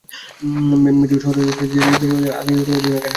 Megiddo শহরে যান, দেরি হয়ে যাওয়ার আগেই বুগেনহাগেনের সাথে দেখা করুন!